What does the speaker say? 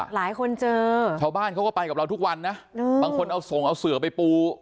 หลายคนเจอชาวบ้านเขาก็ไปกับเราทุกวันนะบางคนเอาส่งเอาเสือไปปู